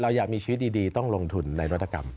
อยากมีชีวิตดีต้องลงทุนในวัตกรรม